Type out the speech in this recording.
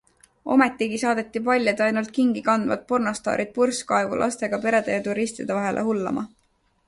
Ometigi saadeti paljad ja ainult kingi kandvad pornostaarid purskaevu lastega perede ja turistide vahele hullama.